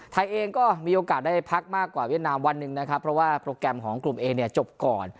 ไทยเองก็มีโอกาสได้พักมากกว่าเวียดนามวันหนึ่งนะครับเพราะว่าโปรแกรมของกลุ่มเอเนี่ยจบก่อน